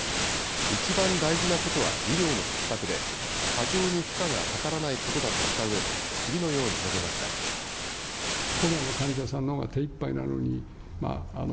いちばん大事なことは医療のひっ迫で過剰に負荷がかからないことだとしたうえで次のように述べました。